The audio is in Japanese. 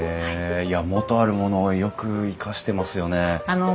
いや元あるものをよく生かしてますよね。